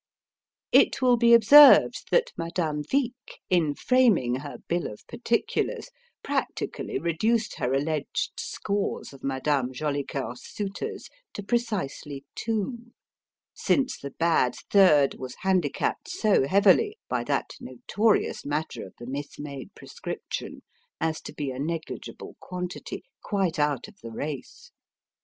It will be observed that Madame Vic, in framing her bill of particulars, practically reduced her alleged scores of Madame Jolicoeur's suitors to precisely two since the bad third was handicapped so heavily by that notorious matter of the mismade prescription as to be a negligible quantity, quite out of the race.